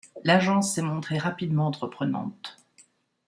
L'Agence s'est montrée rapidement entreprenante.